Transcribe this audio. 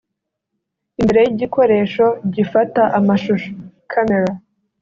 Imbere y’igikoresho gifata amashusho (camera)